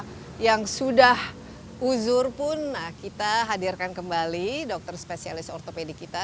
untuk usia yang sudah huzur pun kita hadirkan kembali dokter spesialis ortopedi kita